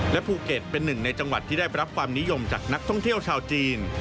และภูเก็ตเป็นหนึ่งในจังหวัดที่ได้รับความนิยมจากนักท่องเที่ยวชาวจีน